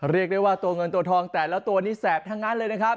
เรียกได้ว่าตัวเงินตัวทองแต่ละตัวนี้แสบทั้งนั้นเลยนะครับ